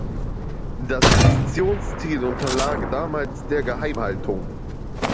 Das Missionsziel unterlag damals der Geheimhaltung.